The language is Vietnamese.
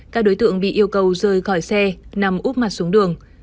các đối tượng bị yêu cầu rời khỏi xe nằm úp mặt xuống đường